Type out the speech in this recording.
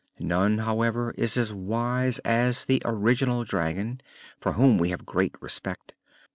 None, however, is as wise as the Original Dragon, for whom we have great respect.